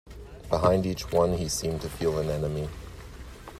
Behind each one he seemed to feel an enemy.